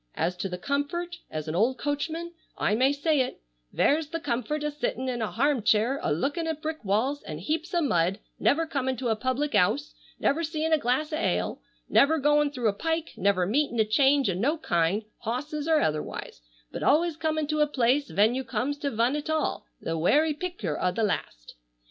As to the comfort, as an old coachman I may say it,—vere's the comfort o' sittin' in a harm chair a lookin' at brick walls, and heaps o' mud, never comin' to a public 'ouse, never seein' a glass o' ale, never goin' through a pike, never meetin' a change o' no kind (hosses or otherwise), but always comin' to a place, ven you comes to vun at all, the werry picter o' the last.